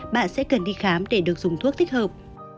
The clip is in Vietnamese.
bạn sẽ cần đi khám để được dùng thuốc thích hợp